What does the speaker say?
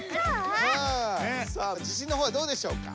さあ自しんのほうはどうでしょうか？